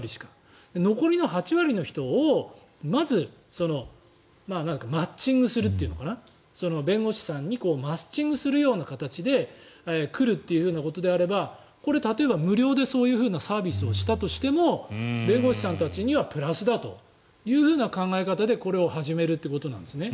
残りの８割の人をまずマッチングするというのかな弁護士さんにマッチングするような形で来るということであればこれ、例えば無料でそういうサービスをしたとしても弁護士さんたちにはプラスだというふうな考え方でこれを始めるということなんですね。